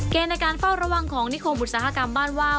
ในการเฝ้าระวังของนิคมอุตสาหกรรมบ้านว่าว